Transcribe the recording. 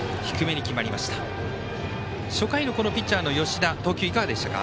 初回のピッチャーの吉田の投球いかがでしたか？